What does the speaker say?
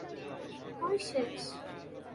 তুই শেষ!